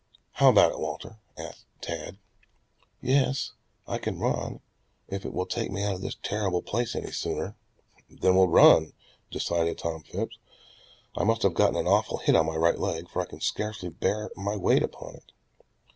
"How about it, Walter?" called Tad. "Yes, I can run if it will take me out of this terrible place any sooner." "Then we'll run," decided Tom Phipps. "I must have gotten an awful hit on my right leg, for I can scarcely bear my weight upon it."